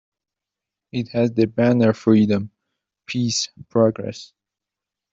It has the banner Freedom, Peace, Progress.